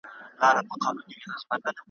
او شعري ارزښت به یې دونه کم وي `